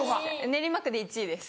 練馬区で１位です。